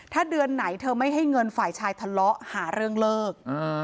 ถ้าเดือนไหนเธอไม่ให้เงินฝ่ายชายทะเลาะหาเรื่องเลิก